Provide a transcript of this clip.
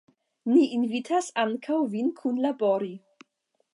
Ni invitas ankaŭ vin kunlabori!